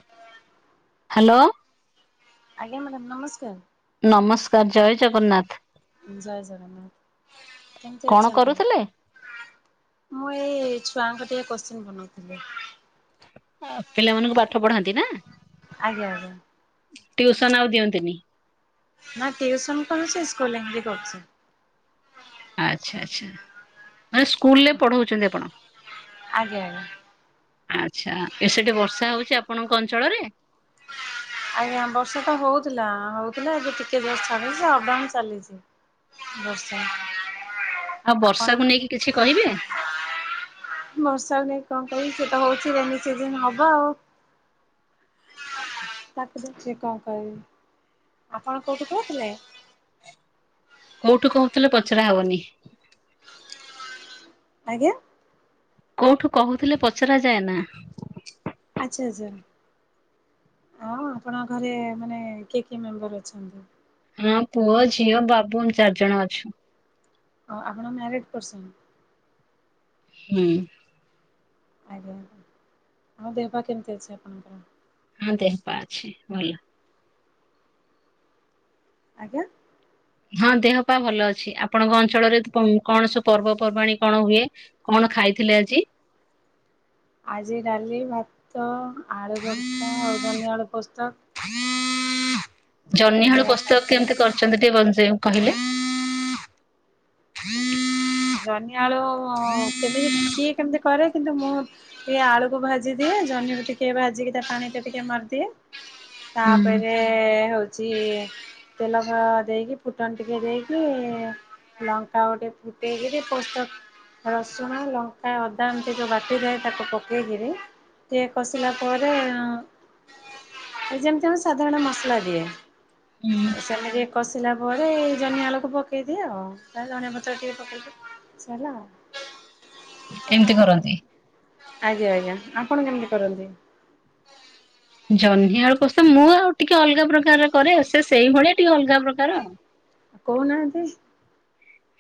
ହ। ହ୍ୟାଲୋ। ଆଜ୍ଞା ମ୍ୟାଡ଼ାମ ନମସ୍କାର। ନମସ୍କାର ଜୟ ଜଗନ୍ନାଥ। ଜୟ ଜଗନ୍ନାଥ। କେମିତି କଣ ଅଛନ୍ତି? କରୁଥିଲେ? ମୁଁ ଏଇ ଛୁଆଙ୍କ ଟିକେ କୋଶ୍ଚିିନ ବନଉଥିଲି। ପିଲାମାନଙ୍କୁ ପାଠ ପଢାନ୍ତି ନା। ଆଜ୍ଞା ଆଜ୍ଞା। ଟ୍ୟଉସନ ଆଉ ଦିଅନ୍ତିନି। ନା ଟ୍ୟୁସନ୍ କଣ ସେ ସିଲିଂ ବି କରୁଛି। ଆଚ୍ଛା! ଆଚ୍ଛା! ମାନେ ସ୍କୁଲରେ ଆପଣ? ପଢଉଛନ୍ତି ଆପଣ? ଆଜ୍ଞା ଆଜ୍ଞା ଆଚ୍ଛା! ଏ ସେଠି ବର୍ଷା ହଉଛି ଆପଣଙ୍କ ଅଞ୍ଚଳରେ? ଆଜ୍ଞା! ବର୍ଷା ତ ହଉଥିଲା ହଉଥିଲା ଏବେ ଟିକେ ଜୋର ଚାଲିଛି ଅପଡାଉନ ଚାଲିଛି। ବର୍ଷା ଆଉ ଆପଣଙ୍କ ବର୍ଷାକୁ ନେଇକି କିଛି କହିବେ? ବର୍ଷାକୁ ନେଇକି କଣ କହିବି ସେତ ହଉଛି ରେନି ସିଜିନ୍ ହବ ଆଉ ତାକୁ ଦେଛି କଣ କହିବି ଆପଣ କୋଉଠୁ କହୁଥିଲେ? କୋଉଠୁ କହୁଥିଲେ ପଚରା ହବନି। ଆଜ୍ଞା! କୋଉଠୁ କହୁଥିଲେ ପଚରା ଯାଏ ନା। ଆଚ୍ଛା! ଆଚ୍ଛା! ହଁ, ଆପଣଙ୍କ ଘରେ ମାନେ କିଏ କିଏ ମେମ୍ବର ଅଛନ୍ତି? ମୋ ପୁଅ ଝିଅ ବାବୁନ୍ ଚାରିଜଣ ଅଛୁ। ଓ ଆପଣ ମ୍ୟାରିଡ୍ ପର୍ସନ୍? ହୁଁ। ଆଜ୍ଞା, ଆଉ ଦେହ ପା କେମିତି ଅଛି ଆପଣଙ୍କର? ହଁ ଦେହ ପା ଅଛି ଭଲ। ଆଜ୍ଞା? ହଁ, ଦେହ ପାା ଭଲ ଅଛି। ଆପଣଙ୍କ ଅଞ୍ଚଳରେ କ କଣ ସବୁ ପର୍ବପର୍ବାଣୀ କଣ ହୁଏ? କଣ ଖାଇଥିଲେ ଆଜି? ଆଜି ଡାଲି ଭାତ ଆଳୁ ଭର୍ତ୍ତା ଆଉ ଜନିଆଳୁ ପୋସ୍ତକ। ଜହ୍ନି ଆଳୁ ଏଇଭଳିଆ ପସ୍ତକ ଖାଇଥିଲି। କେମତି କରିଛନ୍ତି ଟିକେ ବଞ୍ଚେ କହିଲେ ଜହ୍ନିଆଳୁ ଅ କେମିତି କିଏ କେମିତି କରେ କିନ୍ତୁ ମୁଁ ଟିକେ ଆଳୁକୁ ଭାଜି ଦିଏ ଜହ୍ନି କୁ ଟିକେ ଭାଜିକି ତା ପାଣି କୁ ଟିକେ ମାରିଦିଏ। ହୁଁ ତାପରେ ଏ ହଉଛି ତେଲ ଦେଇକି ଫୁଟଣ ଟିକେ ଦେଇକି ଲଙ୍କା ଗୋଟେ ଫୁଟେଇକିରି ପୋସ୍ତକ ରସୁଣ ଲଙ୍କା ଅଦା ଏମିତି ଯେଉଁ ବାଟିଦିଏ ତାକୁ ପକେଇ କିରି ଟିକିଏ କଷିଲା ପରେ ଅଁ ଆ ଯେମିତି ଆମେ ସାଧାରଣ ମସଲା ଦିଏ। ହୁଁ। ସେମିତି କଷିଲା ପରେ ଜହ୍ନି ଆଳକୁ ପକେଇଦିଏ ଆଉ ତା ଧନିୟା ପତ୍ର ଟିକେ ପକେଇଲେ ସରିଲା ଆଉ। ଏମିତି କରନ୍ତି? ଆଜ୍ଞା, ଆଜ୍ଞା, ଆପଣ କେମିତି କରନ୍ତି? ଜହ୍ନିଆଳୁ କୋଷ ମୁଁ ଆଉ ଟିକେ ଅଲଗା ପ୍ରକାରର କରେ ସେ ସେଇଭଳିଆ ଟିକେ ଅଲଗା ପ୍ରକାର ଆଉ। କହୁ ନାହାନ୍ତି?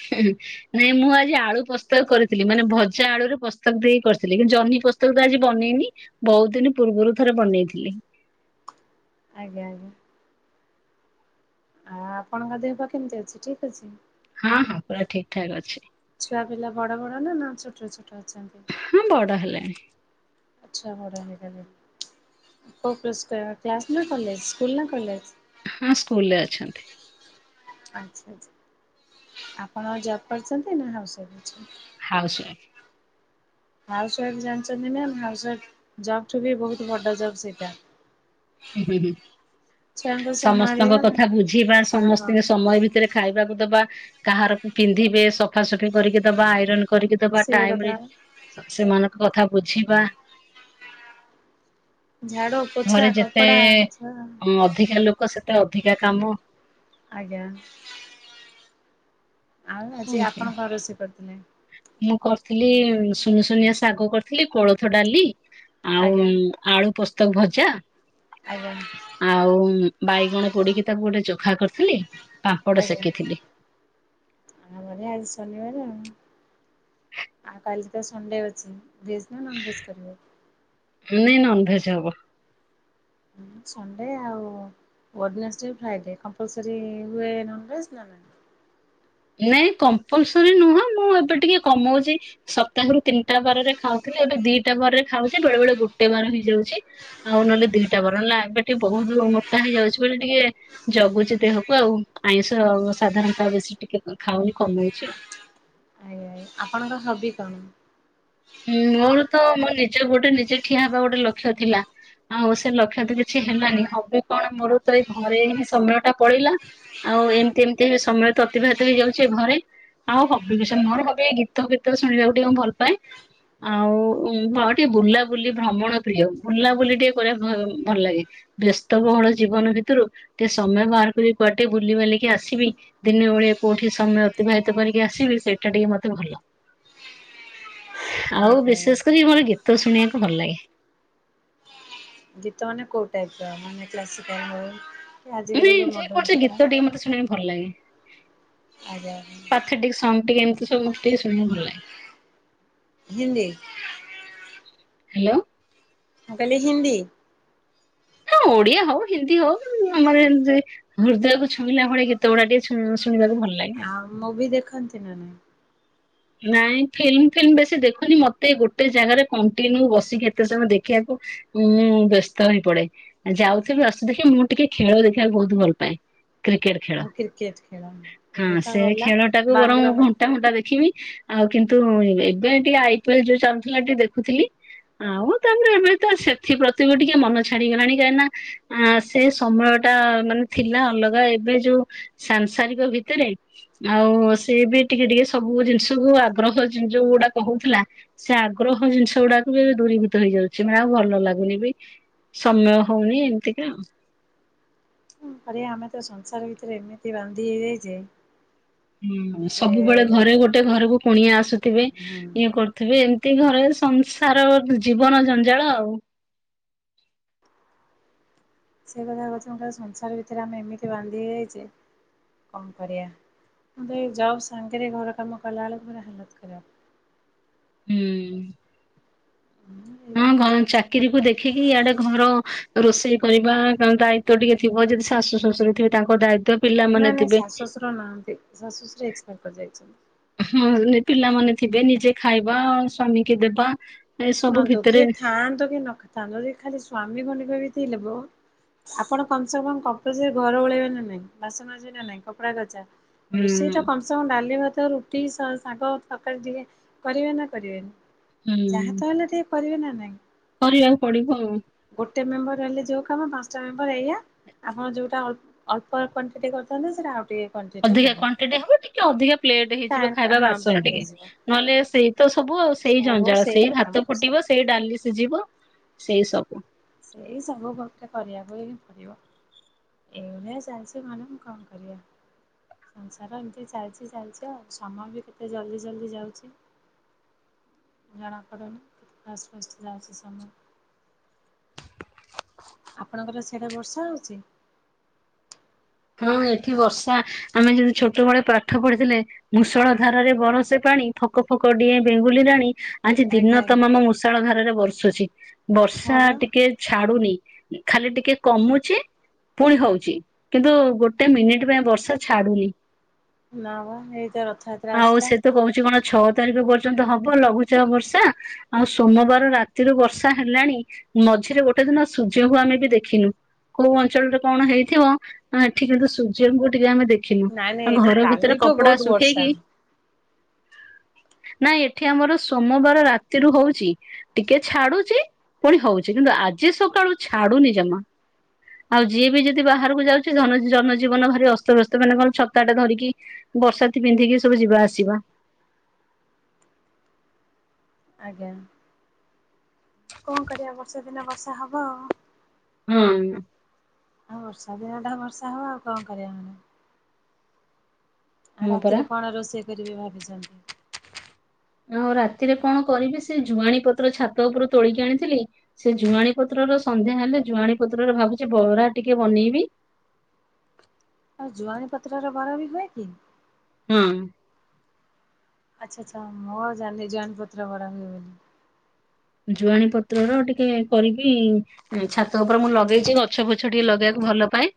ହୁଁ, ହୁଁ। ନାଇଁ ମୁଁ ଆଜି ଆଳୁ ପୋସ୍ତକ କରିଥିଲି ମାନେ ଭଜା ଆଳୁରେ ପୋସ୍ତକ ଦେଇ କରିଥିଲି, କିନ୍ତୁ ଜହ୍ନି ପୋସ୍ତକ ତ ଆଜି ବନେଇନି। ବହୁତ୍ ଦିନ୍ ପୂର୍ବରୁ ଥରେ ବନେଇଥିଲି। ଆଜ୍ଞା, ଆଜ୍ଞା। ଆ ଆପଣଙ୍କ ଦେହ ପା କେମିତି ଅଛି ଠିକ୍ ଅଛି। ହଁ, ହଁ, ପୁରା ଠିକ୍ ଠାକ୍ ଅଛି। ଛୁଆ ପିଲା ବଡ ବଡ ନା ଛୋଟ ଛୋଟ ଅଛନ୍ତି? ହୁଁ ବଡ ହେଲେଣି। ଛୁଆ ବଡହେଇଗଲେଣି। କଉ ପ୍ଲସ୍ [unintelligible] କ୍ଲାସ ନା କଲେଜ ସ୍କୁଲ ନା କଲେଜ? ହଁ, ସ୍କୁଲ ରେ ଅଛନ୍ତି। ଆଛା, ଆଛା, ଆପଣ ଜବ୍ କରୁଛନ୍ତି ନା ହାଉସ୍ ୱାଇଫ ଅଛନ୍ତି? Housewife. ହାଉସ ୱାଇଫ୍ ଜାଣିଚନ୍ତି ନା, ହାଉସ୍ ୱାଇଫି ଜବ୍ ଠୁ ବି ବୋହୁତ ବଡ ଜବ୍ ସେଇଟା। ହୁଁ ହୁଁ ହୁଁ, ଛୁଆଙ୍କୁ ସମସ୍ତଙ୍କ ସମ୍ଭାଳିବା କଥା ବୁଝିବା, ହଁ ସମସ୍ତଙ୍କି ସମୟ ଭିତରେ ଖାଇବାକୁ ଦବା, କାହାରକୁ ପିନ୍ଧିବେ, ସଫାସଫି କରିକି ଦବା, ଆଇରନ୍ କରିକି ଦବା, ସେ ଟାଇମ୍ କଥା ରେ ସେମାନଙ୍କ କଥା ବୁଝିବା ଝାଡୁ ପୋଛା କ ଏ ଅଧିକା ଲୋକ, ସେତେ ଅଧିକା କାମ। ଆଜ୍ଞା। ଆଉ ଆଜି ଏମିତି। ଆପଣ କଣ ରୋଷେଇ କରିଥିଲେ? ମୁଁ କରିଥିଲି, ସୁନି ସୁୁନିଆ ଶାଗ କରିଥିଲି, କୋଳଥ ଡାଲି ଆଉ ଆଜ୍ଞା ଆଳୁ ପୋସ୍ତକ ଭଜା [unintelligible] ଆଉ ବାଇଗଣ ପୋଡିକି ତାକୁ ଗୋଟେ ଚୋଖା କରିଥିଲି ପାମ୍ପଡ଼ ଆଜ୍ଞା। ସେକିଥିଲି ଆମରି ବି ଆଜି ଶନିବାର ଆଉ, ଆଉ କାଲି ତ ସଣ୍ଡେ୍ ଅଛି। ଭେଜ୍ ନା ନନ୍ ଭେଜ୍ କରିବ? ନାଇଁ ନନ୍ ଭେଜ୍ ହବ। ହୁଁ, ସଣ୍ଡେ୍ ଆଉ ଓଡ଼ନେସ୍ ଡେ, ଫ୍ରାଇଡେ, କମ୍ପଲସରି ହୁଏ ନନ୍ ଭେଜ୍ ନା ନାହିଁ? ନାଇଁ କମ୍ପଲସରୀ ନୁହଁ, ମୁଁ ଏବେ ଟିକେ କମଉଚି ସପ୍ତାହରୁ ତିନିଟା ବାର ରେ ଖାଉଥିଲି, ଏବେ ଦିଟା ବାରରେ ଖାଉଚି, ବେଳେ ବେଳେ ଗୋଟେ ବାର ହେଇଯାଉଚି। ଆଉ ନଲେ ଦିଟା ବାର ହେଲା, ଏବେ ଟିକେ ବୋହୁତ୍ ମୋଟା ହେଇଯାଉଚି ବୋଲି ଟିକେ ଜଗୁଚି ଦେହକୁ ଆଉ, ଆଇଁଷ ସାଧାରଣତଃ ବେଶୀ ଟିକେ ଖାଉନି କମଉଚି ଆଉ ଆଜ୍ଞା ଆଜ୍ଞା, ଆପଣଙ୍କ ହବି କଣ? ଉଁ ମୋର ତ, ମୋ ନିଜ ଗୋଡରେ ନିଜେ ଠିଆ ହବା ଗୋଟେ ଲକ୍ଷ୍ୟ ଥିଲା ଆଉ ସେ ଲକ୍ଷ୍ୟ ତ କିଛି ହେଲାନି, ହବି କଣ, ମୋର ତ ଏଇ ଘରେ ହିଁ ସମୟ ଟା ପଳେଇଲା ଆଉ ଏମତି ଏମିତି ରେ ସମୟ ତ ଅତିବାହିତ ହେଇଯାଉଚି ଏ ଘରେ ଆଉ ହବି ବିଷ, ମୋର ହବି ଏଇ ଗୀତ ଫିତ ଶୁଣିବାକୁ ଟିକେ ମୁଁ ଭଲ ପାଏ। ଆଉ ହଁ ଟିକେ ବୁଲାବୁଲି ଭ୍ରମଣ ପ୍ରିୟ, ବୁଲାବୁଲି ଟିକେ କରିବାକୁ ଭ ଭଲ ଲାଗେ। ବେସ୍ତବହୁଳ ଜୀବନ ଭିତରୁ, ଟିକେ ସମୟ ବାହାର କରି କୁଆଡେ ଟିକେ ବୁଲି ବାଲିକି ଆସିବି ଦିନେ ଓଳିଏ କୋଉଠି ସମୟ ଅତିବାହିତ କରିକି ଆସିବି, ସେଇଟା ଟିକେ ମତେ ଭଲ। ଆଉ ଆଜ୍ଞା ଆଜ୍ଞା ବିଶେଷ କରି ମୋର ଗୀତ ଶୁଣିବାକୁ ଭଲ ଲାଗେ। ଗୀତ ମାନେ କୋଉ ଟାଇପ୍ ର, ମାନେ କ୍ଲାସିକାଲ୍ ହୋଉ ନାଇଁ ଯେ କୌଣସି ଗୀତ ଟିକେ ମତେ ଶୁଣି ଭଲ ଲାଗେ। ଆଜ୍ଞା, ଆଜ୍ଞା। ଥ୍ରୀ ଡ଼ି ସଙ୍ଗ୍ ଟିକେ, ଏମିତି ସବୁ, ମତେ ଟିକେ ଶୁଣିବାକୁ ଭଲ ଲାଗେ। ହିନ୍ଦୀ ହାଲୋ। ମୁଁ କହିଲି ହିନ୍ଦୀ? ଓଡିଆ ହଉ, ହିନ୍ଦୀ ହଉ, ଆମର ଏମିତି ହୃଦୟକୁ ଛୁଇଁଲା ଭଳି ଗୀତ ଗୁଡା ଟିକେ ଶୁ ଶୁଣିବାକୁ ଭଲ ଲାଗେ। ଆଉ ମୁଭି ଦେଖନ୍ତି ନା ନାହିଁ? ନାଇଁ ଫିଲ୍ମ ଫିଲ୍ମ ବେଶୀ ଦେଖୁନି, ମତେ ଗୋଟେ ଜାଗାରେ କଣ୍ଟିନ୍ୟୁ ବସିକି ଏତେ ସମୟ ଦେଖିବାକୁ ମୁଁ ବ୍ୟସ୍ତ ହେଇ ପଡେ। ଆଉ ଯାଉଥିବି, ଆସୁଥିବି, ମୁଁ ଟିକେ ଖେଳ ଦେଖିବାକୁ ବହୁତ ଭଲ ପାଏ। କ୍ରିକେଟ ଖେଳ, ଆଉ କ୍ରିକେଟ୍ ଖେଳ ଏବେ ହଁ ତ ସେ ଗଲା ଖେଳ ଟାକୁ ବରଂ ବାଙ୍ଗଲୋର ଘଣ୍ଟା ଘଣ୍ଟା ଦେଖିବି ଆଉ କିନ୍ତୁ ଏବେ ଟିକେ ଆଇ ପିଏଲ ଯୋଉ ଚାଲୁ ଥିଲା ଟିକେ ଦେଖୁଥିଲି। ଆଉ ତାପରେ ଏବେ ତ ସେଥି ପ୍ରତିବି ଟିକେ ମନ ଛାଡିଗଲାଣି କାହିଁକି ନା ଆ ସେ ସମୟ ଟା ମାନେ ଥିଲା ଅଲଗା ଏବେ ଯୋଉ ସାଂସାରିକ ଭିତରେ ଆଉ ସିଏ ବି ଟିକେ ଟିକେ ସବୁ ଜିନିଷ ସବୁ ଆଗ୍ରହ ଯୋଉ ଗୁଟା କହୁଥିଲା। ସେ ଆଗ୍ରହ ଜିନିଷ ଗୁଡାକୁ ବି ଦୂରୀଭୂତ ହେଇଯାଉଛି ମାନେ ଆଉ ଭଲ ଲାଗୁନି ବି। ସମୟ ହଉନି ଏମତିକା ଆଉ। କଣ କରିବା ଆମେ ତ ସଂସାର ଭିତରେ ଏମିତି ବାନ୍ଧି ହେଇଯାଇଚେ ହୁଁ ସବୁବେଳେ ଘରେ ଗୋଟେ ଘରକୁ କୁଣିଆ ଆସୁଥିବେ ହୁଁ ଇଏ କର ଥିବେ ଏମିତି ଘରେ ସଂସାର ଜୀବନ ଜଞ୍ଜାଳ ଆଉ। ସେ କଥା କଥା କ ସଂସାର ଭିତରେ ଆମେ ଏମିତି ବାନ୍ଧି ହେଇଯାଇଛେ। କଣ କରିବା ମୋତେ ଜବ୍ ସାଙ୍ଗରେ ଘର କାମ କଲାବେଳକୁ ପୁରା ହାଲତ ଖରାପ। ହୁଁ। ଏଇଭଳିଆ ହଁ ଚାଲିଛି ଚାକିରିକୁ ଦେଖ ଦେଖିକି ଇଆଡେ ଘର ରୋଷେଇ କରିବା ଦାୟିତ ଟିକେ ଥିବ ଯଦି ଶାଶୁ ଶ୍ୱଶୁରରେ ଥିବେ ତାଙ୍କ ଦାୟିତ୍ୱ। ନାଇଁ ନାଇଁ ଶାଶ ଶ୍ୱଶୁର ନାହାନ୍ତି ଶାଶ୍ୱଶୁର ଏକ୍ସପାର କରି ଯାଇଛନ୍ତି। ହଁ ପିଲାମାନେ ଥିବେ ନିଜେ ଖାଇବା ସ୍ଵାମୀ କି ଦେବା। ଏ ସବୁ ଶୁଣନ୍ତୁ ଭିତରେ କିଏ ଥାଆନ୍ତୁ କି ନଥାନ୍ତୁ ଯଦି ଖାଲି ସ୍ଵାମୀ ଖଣ୍ଡିକ ବି ଥିବ ଆପଣ କମସେ କମ କମୂଲ୍ସରୀ ଘର ଓଳେଇବେ ନା ନାହିଁ ବାସନ ମଯିବେ ନା ନାଇଁ କପଡା କଚ୍ଚା। ରୋଷେଇ ହୁଁ ଟା କମ ସେ କମ ଡାଲି ଭାତ ରୁଟି ଶାଗ ତରକାରୀ ଟିକେ କରିବେ ନା କରିବେନି। ଯାହା ହୁଁ ତ ହେଲେ ଟିକେ କରିବେ ନା ନାଇଁ। କରିବାକୁ ପଡିବ ଆଉ। ଗୋଟେ ମେମ୍ବର ରହିଲେ ଯେଉଁ କାମ ପାଞ୍ଚଟା ମେମ୍ବର ଏଇଆ ଆପଣ ଯେଉଟା ଅଳ୍ପ କ୍ୱାଣ୍ଟିଟ କରିଥାନ୍ତେ ସେଇଟା ଆଉ ଟିକେ କ୍ୱାଣ୍ଟିଟି ଅଧିକା ହବ। କ୍ୱାଣ୍ଟିଟ ହବ ଟିକେ ଅଧିକା ପ୍ଲେଟ ହେଇଯିବ ଖାଇବା ହଁ ବାସନ ବ୍ରେଡ ଟିକେ। ହେଇଯିବ ନହେଲେ ସେଇ ତ ସବୁ ଆଉ ସେଇ ସବୁ ଜଞ୍ଜାଳ ସେଇ କାମ ଭାତ ଫୁଟିବ ସେଇ ଡାଲି ସିଝିବ ସେଇ ସବୁ। ସେଇ ସବୁ ତତେ କରିବାକୁ ହିଁ ପଡିବ। ଏଉ ନ ଚାଲଛି ମାନେ ଆଉ କଣ କରିବା। ହଁ ସଂସାର ଏମିତି ଚାଲିଛି ଚାଲିଛି ଆଉ ସମୟ ବି କେତେ ଜଲ୍ଦି ଜଲ୍ଦି ଯାଉଛି। ଜଣାପଡ଼ନି କେତେ ଫାଷ୍ଟ ଫାଷ୍ଟ ଯାଉଛି ସମୟ। ଆପଣଙ୍କର ସେଆଡେ ବର୍ଷା ହଉଛି। ହଁ ଏଠି ବର୍ଷା ଆମେ ଯଦି ଛୋଟବେଳେ ପାଠ ପଢିଥିଲେ ମୁଷଳ ଧାରାରେ ବରସେ ପାଣି ଫକ ଫକ ଡିଏ ବେଙ୍ଗୁଲି ରାଣୀ। ଆଜି ଆଜ୍ଞା ଦିନ ଆଜ୍ଞା ତମମ ମୂଷାଳ ଧାରରେ ବର୍ଷୁଛି ହଁ ବର୍ଷା ବା ଟିକେ ଛାଡୁନି। ଖାଲି ଟିକେ କମୁଛି ପୁଣି ହଉଛି। କିନ୍ତୁ ଗୋଟେ ମିନିଟ୍ ପାଇଁ ବର୍ଷା ଛାଡୁନି। ନା ବା ଏଇତ ରଥଯାତ୍ରା ଆଉ ଆସିଲା। ସେ ତ କହୁଛି କଣ ଛଅ ତାରିଖ ପର୍ଯ୍ୟନ୍ତ ହବ ଲଘୁଚାପ ବର୍ଷା ଆଉ ସୋମବାର ରାତିରୁ ବର୍ଷା ହେଲାଣି। ମଝିରେ ଗୋଟେ ଦିନ ସୂର୍ଯ୍ୟଙ୍କୁ ଆମେ ବି ଦେଖିନୁ କୋଉ ଅଞ୍ଚଳରେ କଣ ହେଇଥିବ। ହଁଠିକ କିନ୍ତୁ ସୂର୍ଯ୍ୟଙ୍କୁ ଟିକେ ଆମେ ଦେଖିନୁ ନାଇଁ ନାଇଁ ଆଉ ଏଠି ଘର ଭିତରେ କାଲିଠୁ କପଡା ବହୁତ ବର୍ଷା ଶୁଖେଇକି ନାଇ ଏଠି ଆମର ସୋମବାର ରାତିରୁୁ ହଉଛି। ଟିକେ ଛାଡୁଛି ପୁଣି ହଉଛି କିନ୍ତୁ ଆଜି ସକାଳୁ ଛାଡୁନି ଜମା। ଆଉ ଯିଏ ବି ଯଦି ବାହାରକୁ ଯାଉଛି ଧନ ଜନଜୀବନ ଭାରି ଅସ୍ତବ୍ୟସ୍ତ ମାନେ କଣ ଛତା ଟା ଧରିକି ବର୍ଷାତି ପିନ୍ଧିକି ସବୁ ଯିବା ଆସିବା। ଆଜ୍ଞା କଣ କରିବା ବର୍ଷା ଦିନେ ବର୍ଷା ହବ ଆଉ। ହୁଁ। ଆଉ ବର୍ଷା ଦିନ ଟା ବର୍ଷା ହବ ଆଉ କଣ କରିବା ମାନେ। ଆ ହଁ ପରା। ରାତିରେ କଣ ରୋଷେଇ କରିବେ ଭାବିଚନ୍ତି? ଆଉ ରାତିରେ କଣ କରିବି ସେ ଜୁଆଣି ପତ୍ର ଛାତ ଉପରୁ ତୋଳିକି ଆଣିଥିଲି। ସେ ଜୁଆଣୀ ପତ୍ରର ସନ୍ଧ୍ୟା ହେଲେ ଜୁଆଣୀ ପତ୍ରରେ ଭାବୁଛି ବରା ଟିକେ ବନେଇବି। ଆଉ ଜୁଆଣୀ ପତ୍ର ରେ ବରା ବି ହୁଏ କି? ହୁଁ। ଆଚ୍ଛା ଆଛା ମୁଁ ଆଉ ଜାଣିନି ଜୁଆଣି ପତ୍ରରେ ବରା ହୁଏ ବୋଲି। ଜୁଆଣୀ ପତ୍ରର ଟିକେ କରିକି ଏଇ ଛାତ ଉପରେ ମୁଁ ଲଗେଇଛି ଗଛ ଫୁଛ ଟିକେ ଲଗେଇବାକୁ ଭଲପଏ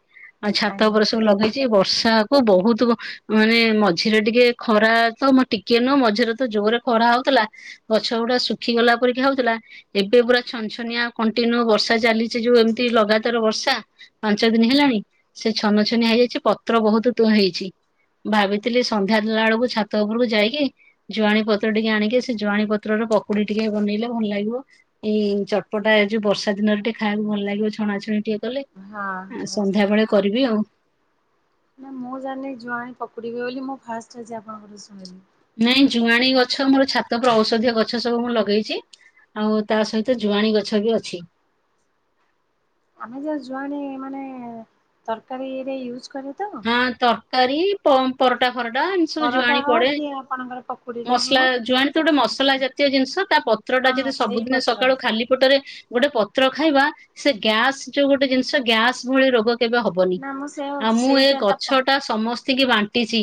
ଆଉ ଛାତ ଆଜ୍ଞା ଉପରେ ସବୁ ଲଗେଇଚି ଚି ଏ ବର୍ଷା କୁ ବହୁତ ମାନେ ମଝିରେ ଟିକେ ଖରା ତ ମ ଟିକେ ନୁହଁ ମଝିରେ ତ ଜୋରରେ ଖରା ହଉଥିଲା। ଗଛ ଗୁଡା ଶୁଖି ଗଲା ପରେକି ହଉଥିଲା। ଏବେ ପୁରା ଛନଛନିଆ କଣ୍ଟିନ୍ୟୁ ବର୍ଷା ଚାଲିଚି ଯୋଉ ଏମିତି ଲଗାତାର ବର୍ଷା ପାଞ୍ଚ ଦିନ ହେଲାଣି ସେ ଛନ ଛନି ହେଇଯାଇଚି ପତ୍ର ବହୁତ ତୁ ହେଇଚି। ଭାବିଥିଲି ସନ୍ଧ୍ୟା ଦେଲା ବେଳକୁ ଛାତ ଉପରକୁ ଯାଇକି ଜୁଆଣୀ ପତ୍ର ଟିକେ ଆଣିକି ସେ ଜୁଆଣୀ ପତ୍ରର ପକୁଡି ଟିକେ ବନେଇଲେ ଭଲ ଲାଗିବ ଏଇ ଚଟପଟା ଏ ଯୋଉ ବର୍ଷା ଦିନରେ ଟିକେ ଖାଇବାକୁ ଭଲ ଲାଗିବ ଛଣାଛଣି ଟିକେ କଲେ ହଁ ବର୍ଷା ରେ ସନ୍ଧ୍ୟାବେଳେ ଏଁ କରିବି ଆଉ। ନା ମୁଁ ଜାଣିନି ଜୁଆଣି ପକୁଡି ହୁଏ ବୋଲି ମୁଁ ଫାଷ୍ଟ ଆଜି ଆପଣଙ୍କଠୁ ଶୁଣିଲି। ନାଇଁ ଜୁଆଣୀ ଗଛ ମୋର ଛାତ ପରେ ଔଷଧୀୟ ଗଛ ସବୁ ମୁଁ ଲଗେଇଚି। ଆଉ ତା ସହିତ ଜୁଆଣି ଗଛ ବି ଅଛି। ଆମେ ଯୋଉ ଯୁଆଣ ମାନେ ତରକାରୀରେ ୟୁଜ୍ କରେ ତ? ହଁ ତରକାରୀ ପଂ ପରଟା ଫରଟା ଏମିତି ସବୁ ପରଟା ଜୁଆଣି ହଉ ପଡେ କି ଆପଣଙ୍କର ପକୁଡିରେ ମସଲା ହଉ ଜୁଆଣ ତ ଗୋଟେ ମସଲା ହଁ ଜ ତିୟ ଜିନିଷ ତା ପତ୍ର ଟା ହଁ ଯଦି ସେଇ ସବୁଦିନ ପତ୍ର। ସକାଳୁ ଖାଲି ପଟରେ ଗୋଟେ ପତ୍ର ଖାଇବା ସେ ଗ୍ୟାସ୍ ଯୋଉ ଗୋଟେ ଜିନିଷ ଗ୍ୟାସ୍ ଭଳି ରୋଗ କେବେ ହବ ହବନି ନା ମୁଁ ସେଇଆ ଆଉ ଭାବୁଛି ମୁଁ ସେଇ ଏ ଯୋଉ ତା ଗଛ ପ ଟା ସମସ୍ତତି କି ବାଣ୍ଟିଚି।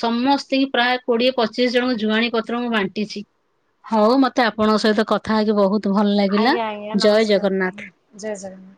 ସମସ୍ତଙ୍କି ପ୍ରାୟ କୋଡିଏ ପଚିଶି ଜଣଙ୍କ ଜୁଆଣୀ ପତ୍ର ମୁଁ ବାଣ୍ଟିଚି। ହଉ ମତେ ଆପଣଙ୍କ ସହିତ କଥା ହେଇକି ବହୁତ ଭଲ ଲାଗିଲା ଆଜ୍ଞା ଆଜ୍ଞା ଜୟ ନମସ୍କାର ଜଗନ୍ନାଥ। ଜୟ ଜଗନ୍ନାଥ।